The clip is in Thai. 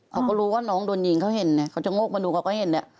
เขาก็รู้ว่าน้องโดนยิงเขาเห็นเนี่ยเขาจะโงกมาดูเขาก็เห็นเนี่ย